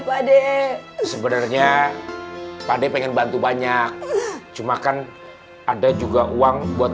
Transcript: pade sebenarnya pade pengen bantu banyak cuma kan ada juga uang buat